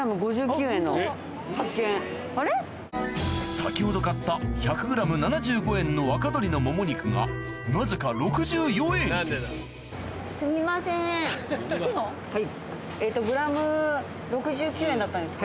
先ほど買った１００ｇ７５円の若鶏のモモ肉がなぜか６４円にはい。